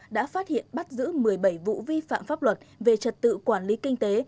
đã phát hiện bắt giữ một mươi bảy vụ vi phạm pháp luật về trật tự quản lý kinh tế